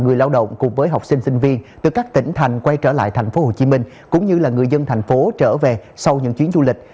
người lao động cùng với học sinh sinh viên từ các tỉnh thành quay trở lại tp hcm cũng như là người dân thành phố trở về sau những chuyến du lịch